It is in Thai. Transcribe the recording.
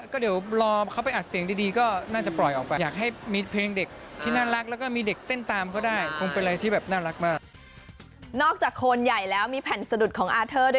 ก็เดี๋ยวมีซิงเกิลอะไรต่อไปอ่าขายของ